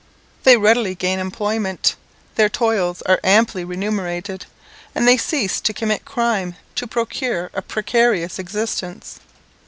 They readily gain employment; their toils are amply remunerated; and they cease to commit crime to procure a precarious existence.